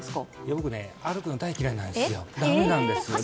僕ね、歩くの大嫌いなんですよ。だめなんです。